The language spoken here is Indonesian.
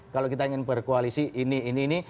kalau kita ingin berkoalisi ini ini ini